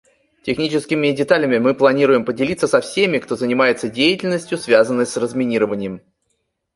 Техническими деталями мы планируем поделиться со всеми, кто занимается деятельностью, связанной с разминированием.